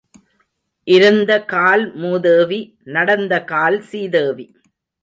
இருந்த கால் மூதேவி நடந்த கால் சீதேவி.